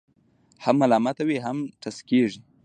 هم ملامته وي، هم ټسکېږي.